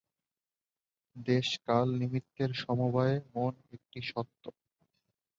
দেশ-কাল-নিমিত্তের সমবায়ে মন একটি সত্ত্ব।